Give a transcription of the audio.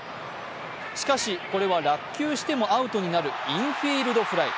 しかし、これは落球してもアウトになるインフィールドフライ。